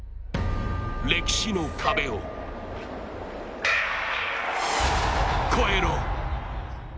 歴史の壁を超えろ。